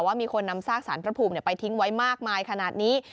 ว่ามีคนนำซากสารพระภูมิไปทิ้งไว้มากมายขนาดนี้